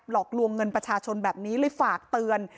อกลวงเงินประชาชนแบบนี้เลยฝากเตือน